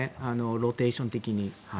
ローテーション的に。